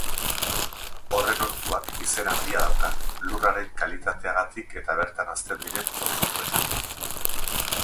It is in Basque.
Horren ortuak izen handia dauka, lurraren kalitateagatik eta bertan hazten diren produktuengatik.